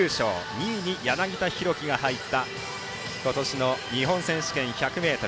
２位に柳田大輝が入った今年の日本選手権１００ｍ。